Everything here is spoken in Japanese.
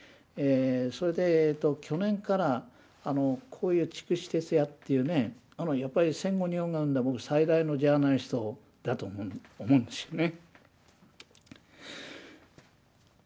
それで去年からこういう筑紫哲也っていう戦後日本が生んだ最大のジャーナリストだと思うんですよね。